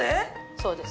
そうです